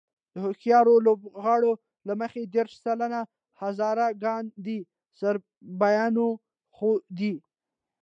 د هوښیارو لوبغاړو له مخې دېرش سلنه هزاره ګان د سرابيانو خوا دي.